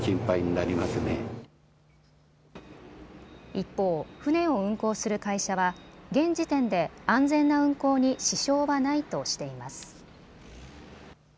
一方、船を運航する会社は現時点で安全な運航に支障はないとしています。